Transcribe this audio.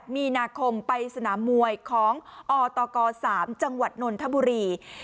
มีนาคมไปสนามมวยของอตก๓จังหวัดนนทบุรี